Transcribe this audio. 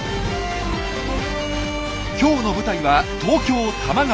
今日の舞台は東京多摩川。